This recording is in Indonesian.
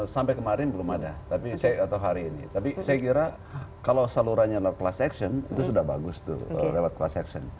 sampai kemarin belum ada tapi saya kira kalau salurannya kelas action itu sudah bagus tuh lewat kelas action